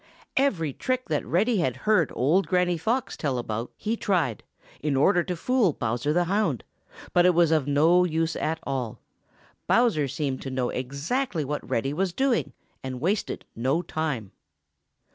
Every trick that Reddy had heard old Granny Fox tell about he tried, in order to fool Bowser the Hound, but it was of no use at all. Bowser seemed to know exactly what Reddy was doing, and wasted no time.